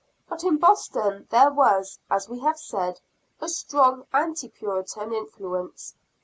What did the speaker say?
But in Boston, there was, as we have said, a strong anti Puritan influence.